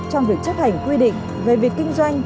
trong việc chấp hành quy định về việc kinh doanh